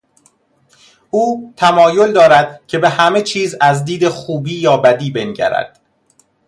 او تمایل دارد که به همه چیز از دید خوبی یا بدی بنگرد.